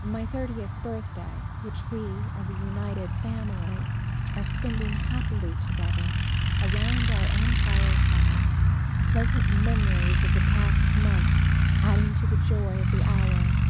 My thirtieth birthday, which we, a reunited family, are spending happily together around our own fireside, pleasant memories of the past months adding to the joy of the hour.